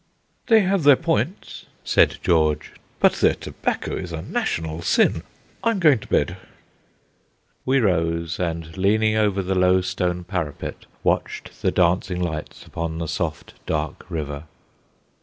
"They have their points," said George; "but their tobacco is a national sin. I'm going to bed." We rose, and leaning over the low stone parapet, watched the dancing lights upon the soft, dark river.